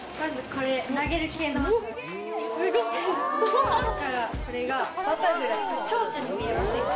こっからこれがバタフライチョウチョに見えませんか？